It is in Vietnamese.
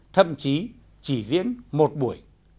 thậm chí chỉ diễn một buổi